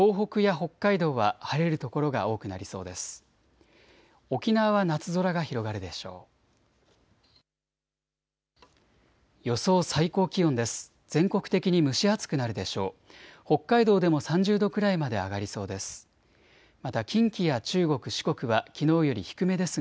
北海道でも３０度くらいまで上がりそうです。